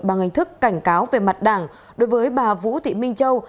bằng hình thức cảnh cáo về mặt đảng đối với bà vũ thị minh châu